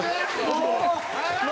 もう！